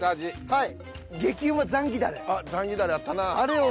はい。